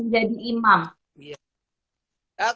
yang besok harus menjadi imam